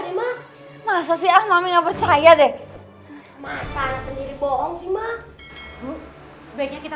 deh mak masa sih ah mami nggak percaya deh makanan sendiri bohong sih mak sebaiknya kita